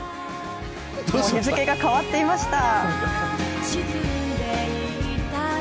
日付が変わっていました。